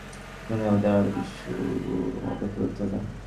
নতুন কারা আসছেন, সেটা দেখার জন্য আমাদের আরও কিছুদিন অপেক্ষা করতে হবে।